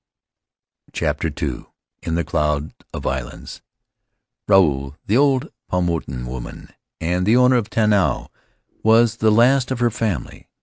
CHAPTER II In the Cloud of Islands UAU, the old Paumotuan woman, and the owner of Tanao, was the last of her family.